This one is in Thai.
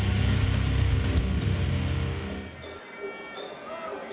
สวัสดีครับ